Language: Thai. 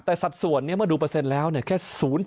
แต่สัดส่วนคือต้องว่าดูเปอร์เซ็นต์แล้วแค่๐๐๐๓๕